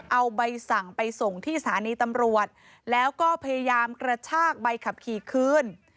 เอาใบสั่งไปส่งที่สถานีตำรวจแล้วก็พยายามกระชากใบขับขี่คืน